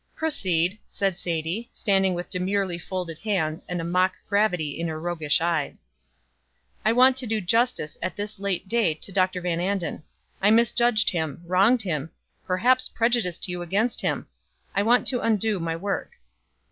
"Proceed," said Sadie, standing with demurely folded hands, and a mock gravity in her roguish eyes. "I want to do justice at this late day to Dr. Van Anden. I misjudged him, wronged him, perhaps prejudiced you against him. I want to undo my work."